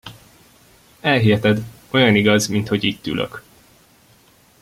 Elhiheted, olyan igaz, mint hogy itt ülök.